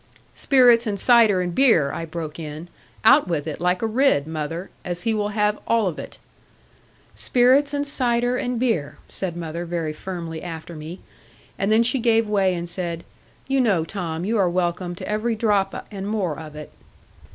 'Spirits, and cider, and beer,' I broke in; 'out with it, like a Ridd, mother; as he will have all of it.' 'Spirits, and cider, and beer,' said mother very firmly after me; and then she gave way and said, 'You know, Tom, you are welcome to every drop and more of it.'